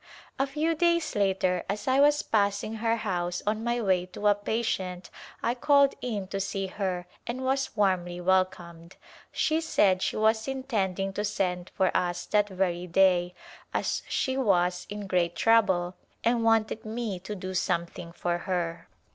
A few days later as I was passing her house on my way to a patient I called in to see her and was warmly welcomed. She said she was intending to send for us that very day, as she was in great trouble and wanted me to do something for her.